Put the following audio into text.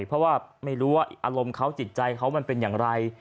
เพราะว่าไม่รู้ว่าอารมณ์เขาจิตใจเขามันเป็นอย่างไร